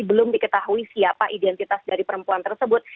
belum diketahui siapa identitas dari perempuan tersebut